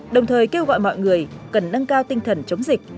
đồng thời kêu gọi mọi người cần nâng cao tinh thần chống dịch